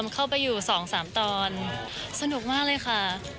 เข้าไปอยู่๒๓ตอนสนุกมากเลยค่ะ